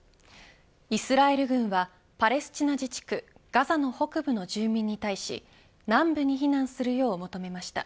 イスラエル軍はパレスチナ自治区ガザの北部の住民に対し南部に避難するよう求めました。